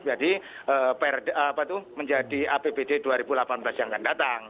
jadi menjadi apbd dua ribu delapan belas yang akan datang